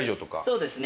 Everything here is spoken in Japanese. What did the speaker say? そうですね